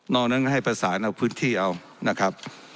นอกนึงให้ภาษาอันดอลเอาพื้นที่เอานะครับ